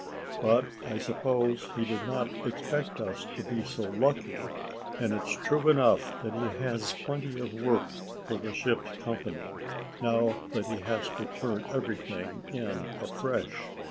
but I suppose he did not expect us to be so lucky, and it's true enough that he has plenty of work for the ship's company, now that he has to turn everything in afresh.